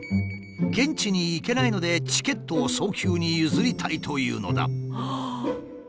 現地に行けないのでチケットを早急に譲りたいというのだ。